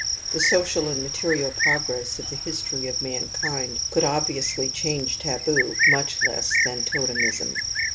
The social and material progress of the history of mankind could obviously change taboo much less than totemism.